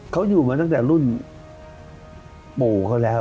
เขาอยู่มาตั้งแต่รุ่นปู่เขาแล้ว